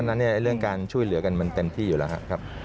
นั้นเรื่องการช่วยเหลือกันมันเต็มที่อยู่แล้วครับ